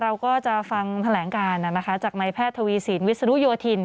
เราก็จะฟังแถลงการนะคะจากนายแพทย์ทวีศีลวิสุโนโยธิน